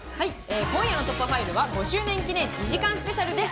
今夜の『突破ファイル』は５周年記念、２時間スペシャルです。